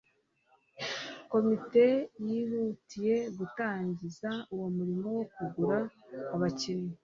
komite yihutiye gutangiraza uwo murimo wo kugura abakinnyi